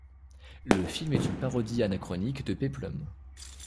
Le film est une parodie anachronique de péplum.